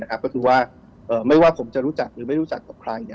ก็คือว่าไม่ว่าผมจะรู้จักหรือไม่รู้จักกับใคร